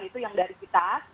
itu yang dari kita